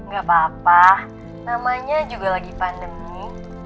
gak apa apa namanya juga lagi pandemi